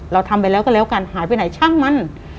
เราทำไปแล้วก็แล้วกันหายไปไหนช่างมัน